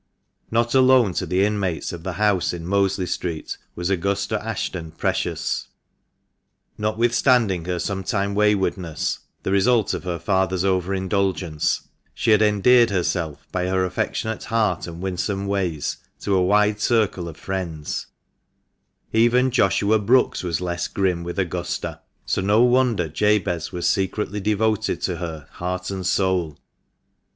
Not alone to the inmates of the house in Mosley Street was Augusta Ashton precious. Notwithstanding her sometime waywardness (the result of her father's over indulgence), she had endeared herself, by her affectionate heart and winsome ways, to a wide circle of friends ; even Joshua Brookes was less grim with Augusta ; so no wonder Jabez was secretly devoted to her heart and soul.